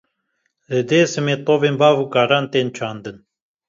Li Dêrsimê tovên bav û kalan tên çandin.